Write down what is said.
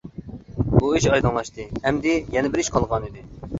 بۇ ئىش ئايدىڭلاشتى، ئەمدى يەنە بىر ئىش قالغانىدى.